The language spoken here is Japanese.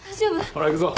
ほら行くぞ。